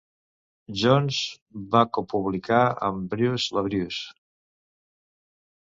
Jones va copublicar amb Bruce LaBruce.